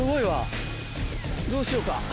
どうしようか。